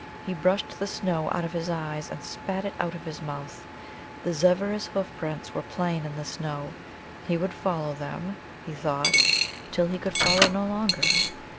He brushed the snow out of his eyes, and spat it out of his mouth. The Zevvera's hoof prints were plain in the snow. He would follow them, he thought, till he could follow no longer.